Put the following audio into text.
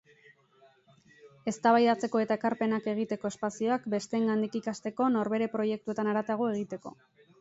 Eztabaidatzeko eta ekarpenak egiteko espazioak, besteengandik ikasteko, norbere proiektuetan haratago egiteko.